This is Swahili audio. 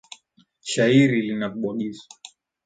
Shairi lina vibwagizo.